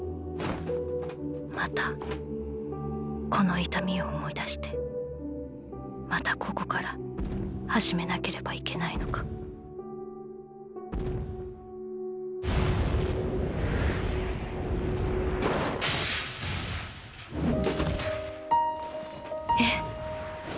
またこの痛みを思い出してまたここから始めなければいけないのかえっ？